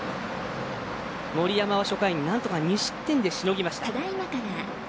森山はなんとか初回２失点でしのぎました。